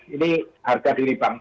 ini harga diri bangsa